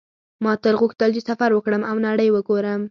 ما تل غوښتل چې سفر وکړم او نړۍ وګورم